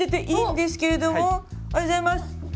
「おはようございます」。